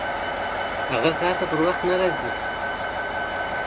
هغه کار ته پر وخت نه راځي!